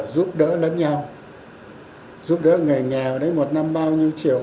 giúp đỡ lớn nhau giúp đỡ nghề nghèo đấy một năm bao nhiêu triệu